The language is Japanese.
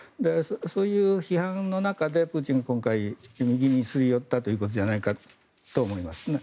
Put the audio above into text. そういう批判の中でプーチンはすり寄ったということじゃないかと思いますね。